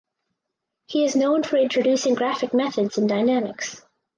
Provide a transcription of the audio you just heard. He is known for introducing graphic methods in dynamics.